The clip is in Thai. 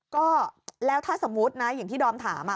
ก็แล้วถ้าสมมุตินะอย่างที่ดอมถาม